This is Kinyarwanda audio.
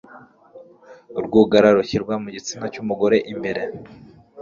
urwugara rushyirwa mu gitsina cy'umugore imbere